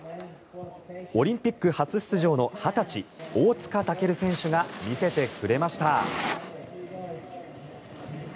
オリンピック初出場の２０歳、大塚健選手が見せてくれました。